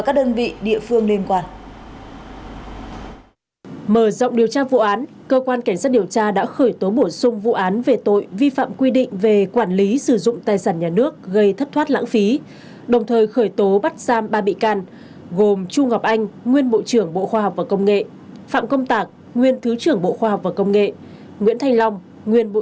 cơ quan cảnh sát điều tra bộ công an đang điều tra vụ án vi phạm quy định về đấu thầu gây hậu quả nghiêm trọng lợi dụng chức vụ đưa hối lộ nhận hối lộ nhận hối lộ nhận hối lộ